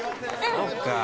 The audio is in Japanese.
そっか。